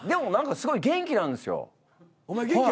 すごい元気なんですよ。